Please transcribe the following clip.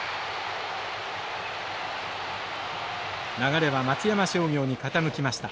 流れは松山商業に傾きました。